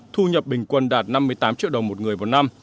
thu nhập bình quân đạt năm mươi tám triệu đồng một người vào năm